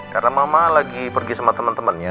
karena mama lagi pergi sama temen temennya